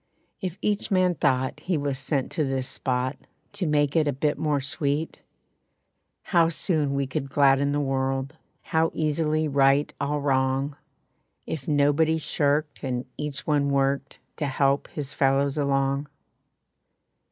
If each man thought he was sent to this spot To make it a bit more sweet, How soon we could gladden the world. How easily right all wrong. If nobody shirked, and each one worked To help his fellows along.